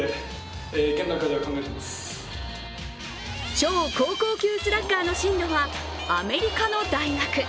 超高校級スラッガーの進路はアメリカの大学。